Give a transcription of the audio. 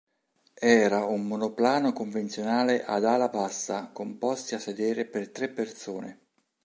Era un monoplano convenzionale ad ala bassa con posti a sedere per tre persone.